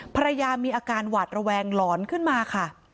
ภรรยามีอาการหวาดระแวงหลอนขึ้นมาค่ะ